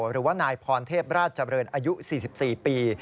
หรือว่านายพรเทพราชเจริญอายุ๔๔ปี